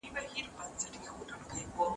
د ماسټرۍ برنامه په ناڅاپي ډول نه انتقالیږي.